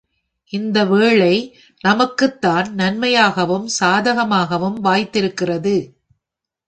இந்த வேளை நமக்குத்தான் நன்மையாகவும் சாதகமாகவும் வாய்த்திருக்கிறது.